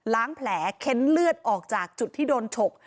แผลเค้นเลือดออกจากจุดที่โดนฉก